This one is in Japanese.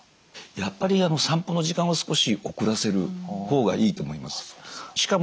やっぱり散歩の時間を少し遅らせる方がいいと思います。